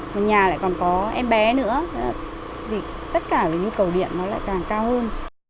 một nhà lại còn có em bé nữa tất cả những nhu cầu điện nó lại càng cao hơn